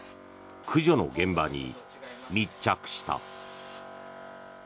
駆除の現場に密着した。